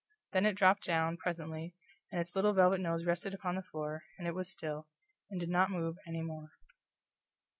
Then it dropped down, presently, and its little velvet nose rested upon the floor, and it was still, and did not move any more.